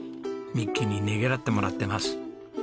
ミッキーにねぎらってもらってます。